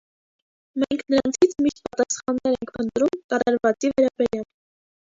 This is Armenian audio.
Մենք նրանից միշտ պատասխաններ ենք փնտրում կատարվածի վերաբերյալ։